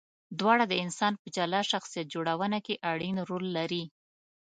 دواړه د انسان په جلا شخصیت جوړونه کې اړین رول لري.